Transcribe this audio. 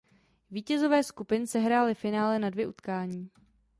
Vítězové skupin sehráli finále na dvě utkání.